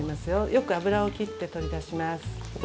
よく油をきって取り出します。